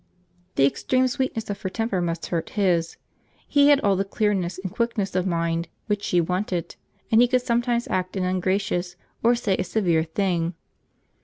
The extreme sweetness of her temper must hurt his. He had all the clearness and quickness of mind which she wanted, and he could sometimes act an ungracious, or say a severe thing.